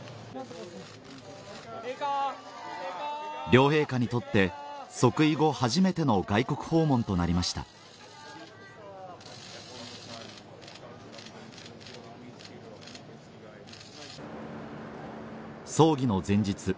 両陛下にとって即位後初めての外国訪問となりました葬儀の前日